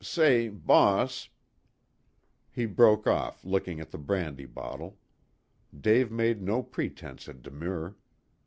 Say, boss " He broke off, looking at the brandy bottle. Dave made no pretense at demur.